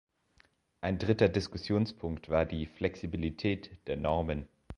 Ein dritter Diskussionspunkt war die Flexibilität der Normen.